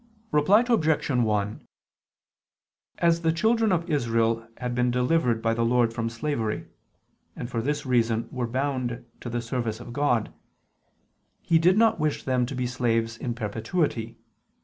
Reply Obj. 1: As the children of Israel had been delivered by the Lord from slavery, and for this reason were bound to the service of God, He did not wish them to be slaves in perpetuity.